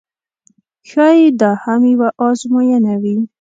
ښایي دا هم یوه آزموینه وي.